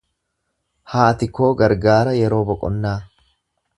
Haati koo gargaara yeroo boqonnaa.